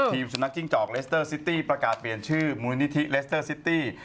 สุนัขจิ้งจอกเลสเตอร์ซิตี้ประกาศเปลี่ยนชื่อมูลนิธิเลสเตอร์ซิตี้